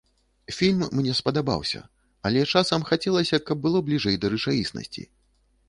Фільм мне спадабаўся, але часам хацелася, каб было бліжэй да рэчаіснасці.